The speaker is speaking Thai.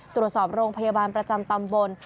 ตรวจสอบโรงพยาบาลประจำตำบล